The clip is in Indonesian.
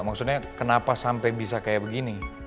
maksudnya kenapa sampai bisa kayak begini